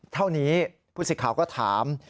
เท่านี้ผู้สิทธิ์ข่าวก็ถาม